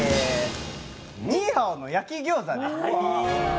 ニイハオの焼餃子です。